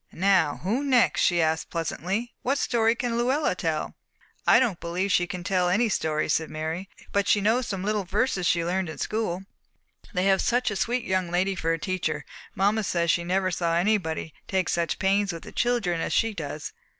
"Now who next?" she asked pleasantly. "What story can Luella tell?" "I don't believe she can tell any story," said Mary, "but she knows some little verses she learned in school. They have such a sweet young lady for a teacher; mamma says she never saw anybody take such pains with the children as she does."